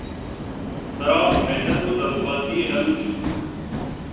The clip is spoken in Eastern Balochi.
ترا منّت ءُدزبندی ئے نہ لوٹیت